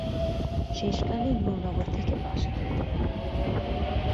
শেষকালে নুরনগর থেকে বাসা তুলতে হল।